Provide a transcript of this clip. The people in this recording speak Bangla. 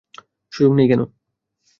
সু্যোগ নেই কেন?